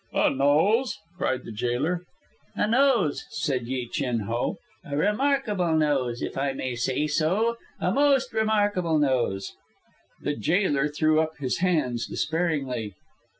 "A nose!" cried the jailer. "A nose," said Yi Chin Ho. "A remarkable nose, if I may say so, a most remarkable nose." The jailer threw up his hands despairingly.